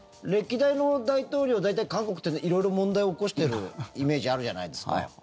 歴代の大統領大体、韓国って色々問題を起こしてるイメージあるじゃないですか。